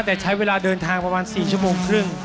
แต่ใช้เวลาเดินทางประมาณ๔ชั่วโมงครึ่ง